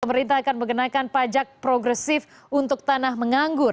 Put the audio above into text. pemerintah akan mengenakan pajak progresif untuk tanah menganggur